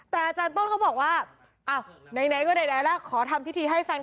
มันก็จะมีฝนตกอะไรที่นี้เหรอ